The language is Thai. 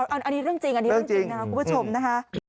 อันนี้เรื่องจริงคุณผู้ชมนะคะ